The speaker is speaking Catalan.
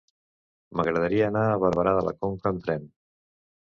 M'agradaria anar a Barberà de la Conca amb tren.